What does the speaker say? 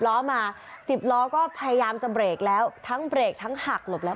ล้อมาสิบล้อก็พยายามจะเบรกแล้วทั้งเบรกทั้งหักหลบแล้ว